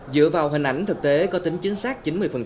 dựa vào hình ảnh thực tế có tính chính xác chín mươi